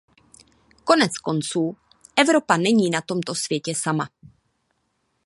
Konec konců, Evropa není na tomto světě sama.